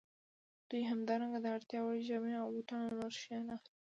دوی همدارنګه د اړتیا وړ جامې او بوټان او نور شیان اخلي